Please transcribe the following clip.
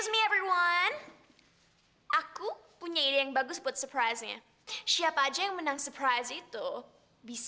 bersa bersa bersa seluruh tubuh